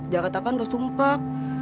jakarta kan udah sumpah